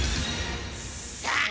さあ！